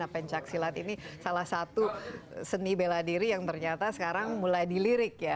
pencak silat ini salah satu seni bela diri yang ternyata sekarang mulai di lirik ya